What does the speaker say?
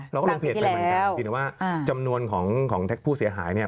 เราก็ลงเพจไปเหมือนกันจำนวนของแท็กผู้เสียหายเนี่ย